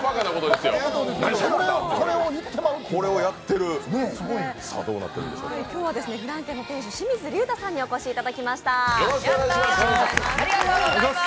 それをやってまう今日はフラン軒の店主志水隆太さんにお越しいただきました。